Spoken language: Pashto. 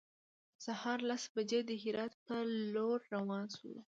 د سهار لس بجې د هرات په لور روان شولو.